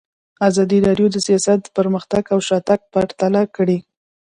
ازادي راډیو د سیاست پرمختګ او شاتګ پرتله کړی.